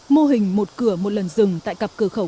mô hình một cửa một lần rừng tại cặp cửa khẩu